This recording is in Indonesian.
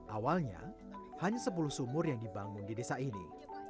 awalnya hanya sepuluh sumur yang dibangun di desa ini